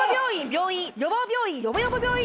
病院予防病院よぼよぼ病院。